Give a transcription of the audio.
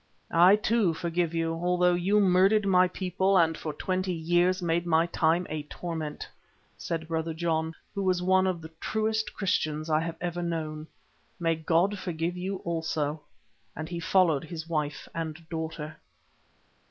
"I, too, forgive you, although you murdered my people and for twenty years made my time a torment," said Brother John, who was one of the truest Christians I have ever known. "May God forgive you also"; and he followed his wife and daughter.